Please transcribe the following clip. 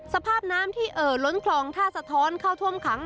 สภาพน้ำที่เอ่อล้นคลองท่าสะท้อนเข้าท่วมขัง